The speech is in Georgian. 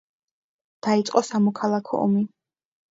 დაიწყო სამოქალაქო ომი.